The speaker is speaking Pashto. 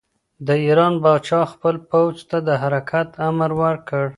د ایران پاچا خپل پوځ ته د حرکت امر ورکړ.